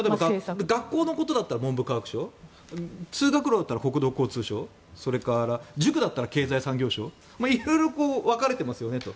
学校のことだったら文部科学省通学路だったら国土交通省塾だったら経済産業省色々分かれてますよねと。